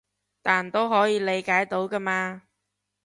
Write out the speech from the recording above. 但都可以理解到㗎嘛